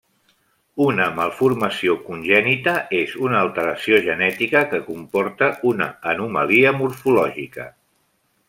Una malformació congènita és una alteració genètica que comporta una anomalia morfològica.